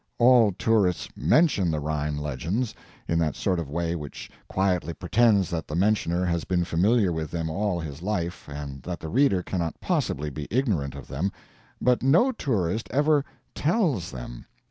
All tourists MENTION the Rhine legends in that sort of way which quietly pretends that the mentioner has been familiar with them all his life, and that the reader cannot possibly be ignorant of them but no tourist ever TELLS them.